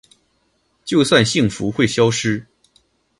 就算幸福会消失